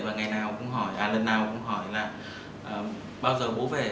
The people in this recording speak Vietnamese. và lần nào cũng hỏi là bao giờ bố về